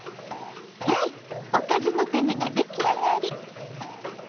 ハイおかずのタネが出来上がり。